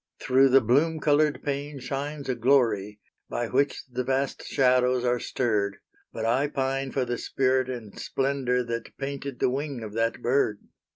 Through the bloom colored pane shines a glory By which the vast shadows are stirred, But I pine for the spirit and splendor That painted the wing of that bird.